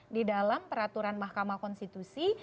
di dalam peraturan mahkamah konstitusi